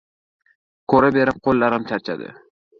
Ko‘taraberib, qo‘llarim charchadi.